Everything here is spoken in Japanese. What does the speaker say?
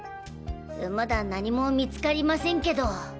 まだ何も見つかりませんけど。